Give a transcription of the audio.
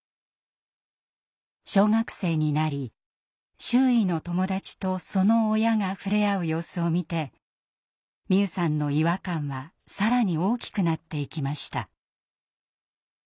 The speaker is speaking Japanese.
小学生になり周囲の友達とその親が触れ合う様子を見て美夢さんの違和感は更に大きくなっていきました。